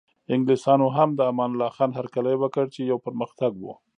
انګلیسانو هم د امان الله خان هرکلی وکړ چې یو پرمختګ و.